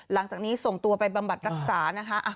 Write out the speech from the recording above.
หลังจากนี้ส่งตัวไปบำบัดรักษานะคะ